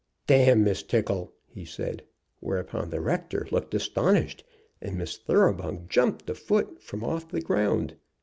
"D Miss Tickle!" he said; whereupon the rector looked astonished, and Miss Thoroughbung jumped a foot from off the ground.